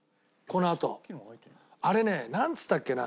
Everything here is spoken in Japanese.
あれねなんつったっけな？